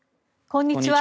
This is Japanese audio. こんにちは。